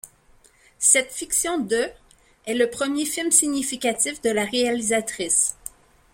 Cette fiction de est le premier film significatif de la réalisatrice.